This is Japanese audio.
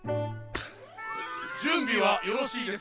じゅんびはよろしいですか？